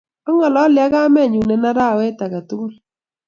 ang'ololi ak kamenyu eng' arawe age tugul